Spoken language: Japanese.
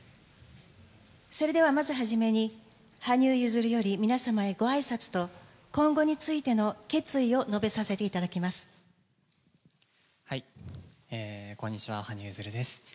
それではまず初めに、羽生結弦より皆様へごあいさつと、今後についての決意を述べさせてこんにちは、羽生結弦です。